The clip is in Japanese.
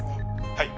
「はい。